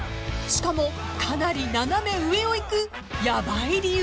［しかもかなり斜め上を行くヤバい理由でした］